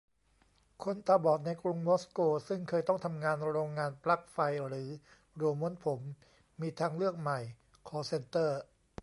คนตาบอดในกรุงมอสโก ซึ่งเคยต้องทำงานโรงงานปลั๊กไฟหรือโรลม้วนผม : มีทางเลือกใหม่ คอลล์เซ็นเตอร์